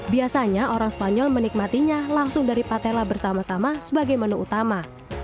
biasanya orang spanyol menikmatinya langsung dari patela bersama sama sebagai menu utama